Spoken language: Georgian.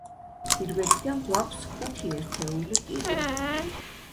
პირველიდან გვაქვს ხუთი ერთეული კიდევ.